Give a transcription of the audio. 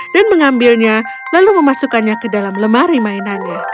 dan mengambilnya lalu memasukkannya ke dalam lemari mainannya